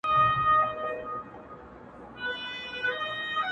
خو هغې دغه ډالۍ.